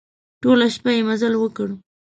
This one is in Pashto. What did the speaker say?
ټوله شپه يې مزل وکړ.